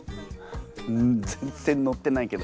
うん全然乗ってないけど。